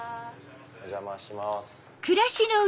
お邪魔します。